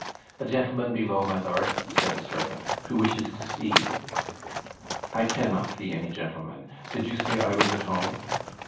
'A gentleman below, my lord,' said a servant, 'who wishes to see you.' I cannot see any gentleman. Did you say I was at home?'